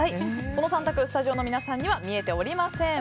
この３択、スタジオの皆さんには見えておりません。